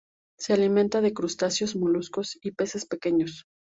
Se alimenta de crustáceos, moluscos y peces pequeños.